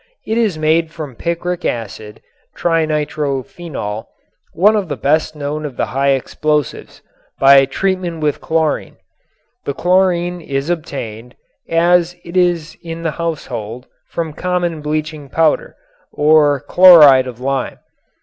It is made from picric acid (trinitrophenol), one of the best known of the high explosives, by treatment with chlorine. The chlorine is obtained, as it is in the household, from common bleaching powder, or "chloride of lime."